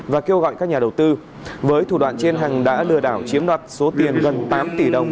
và kêu gọi các nhà đầu tư với thủ đoạn trên hằng đã lừa đảo chiếm đoạt số tiền gần tám tỷ đồng